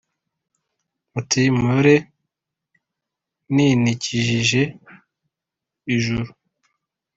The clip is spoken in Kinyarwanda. ati : mpore ninikijije ijuru.